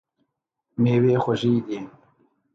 میوې خوږې دي.